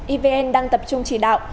evn đang tập trung chỉ đạo